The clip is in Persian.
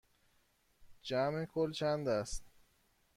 جمع کل چند است؟